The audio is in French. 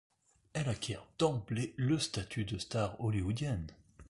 Elle acquiert d'emblée le statut de star hollywoodienne.